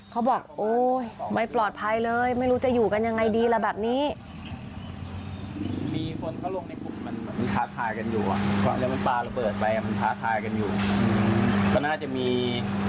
เขาบอกโอ๊ยไม่ปลอดภัยเลยไม่รู้จะอยู่กันยังไงดีล่ะแบบนี้